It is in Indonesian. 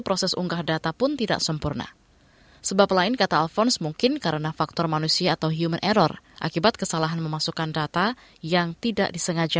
pertama kali kita berkahwin